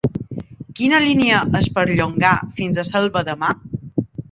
Quina línia es perllongà fins a Selva de Mar?